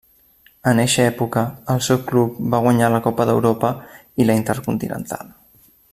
En eixa època, el seu club va guanyar la Copa d'Europa i la Intercontinental.